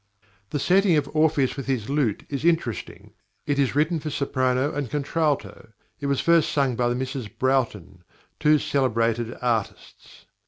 The setting of "Orpheus with his lute" is interesting. It is written for soprano and contralto; it was first sung by the Misses Broughton, two celebrated artists.